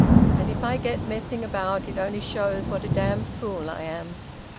And if I get messing about, it only shows what a damned fool I am!"